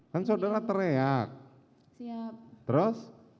kan saudara teriak terus